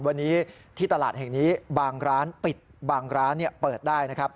วันนี้ที่ตลาดแห่งนี้บางร้านปิดบางร้านเปิดได้นะครับ